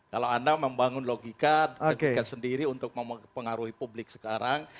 kalau anda membangun logika logika sendiri untuk mempengaruhi publik sekarang